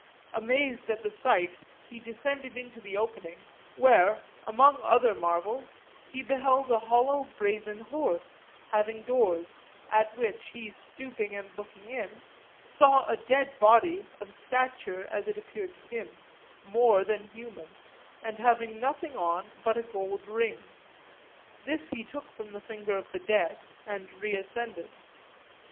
Amazed at the sight, he descended into the opening, where, among other marvels, he beheld a hollow brazen horse, having doors, at which he stooping and looking in saw a dead body of stature, as appeared to him, more than human, and having nothing on but a gold ring; this he took from the finger of the dead and reascended.